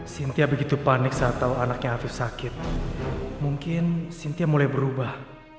sintia begitu panik saat tahu anaknya hafiz sakit mungkin sintia mulai berubah